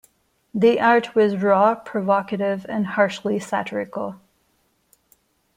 The art was raw, provocative, and harshly satirical.